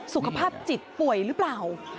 สุขภาพจิตป่วยหรือเปล่า